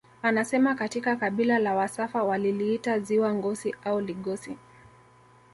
Anasema katika kabila la wasafa waliliita ziwa Ngosi au Ligosi